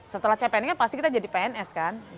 setelah cpns pasti kita jadi pns